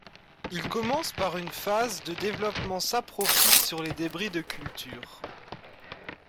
Il commence par une phase de développement saprophyte sur les débris de culture.